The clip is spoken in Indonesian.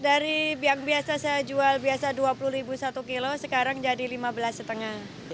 dari biang biasa saya jual biasa rp dua puluh satu kilo sekarang jadi rp lima belas lima ratus